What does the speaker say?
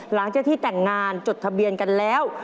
หลังจากที่แต่งงานจดทะเบียนกันแล้ว